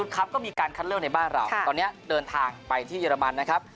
ครับก็มีการคัดเลือกในบ้านเราตอนนี้เดินทางไปที่เยอรมันนะครับ